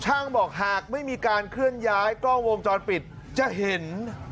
บอกหากไม่มีการเคลื่อนย้ายกล้องวงจรปิดจะเห็น